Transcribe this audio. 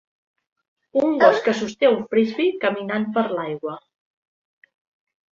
Un gos que sosté un Frisbee caminant per l'aigua.